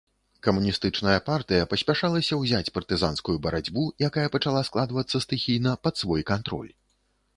Камуністычная партыя паспяшалася ўзяць партызанскую барацьбу, якая пачала складвацца стыхійна, пад свой кантроль.